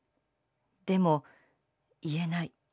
でも言えない。